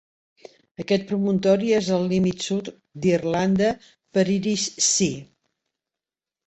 Aquest promontori és el límit sud d'Irlanda per l'Irish Sea.